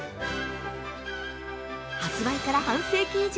発売から半世紀以上！